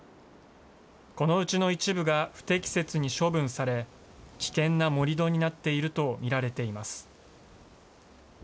このうちの一部が不適切に処分され、危険な盛り土になっていると見られています。